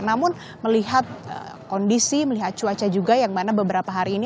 namun melihat kondisi melihat cuaca juga yang mana beberapa hari ini